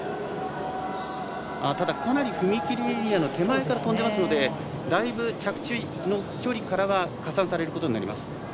ただ、かなり踏み切りエリアの手前から跳んでますのでだいぶ着地の距離からは加算されることになります。